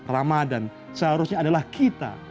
ramadhan seharusnya adalah kita